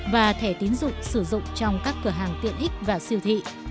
và thẻ tín dụng sử dụng trong các cửa hàng tiện ích và siêu thị